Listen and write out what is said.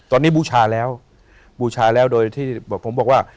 ตอนนี้บูชาแล้วบูชาแล้วโดยที่ผมบอกว่า